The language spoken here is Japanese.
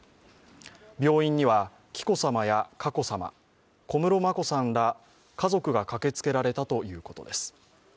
病院には紀子さまや佳子さま、小室眞子さんら家族が駆けつけられたということです。